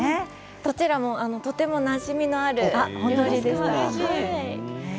どちらもとてもなじみのある、お料理です。